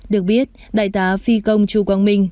được biết đại tá phi công chu quang minh